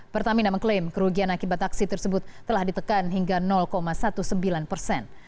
pertamina mengklaim kerugian akibat aksi tersebut telah ditekan hingga sembilan belas persen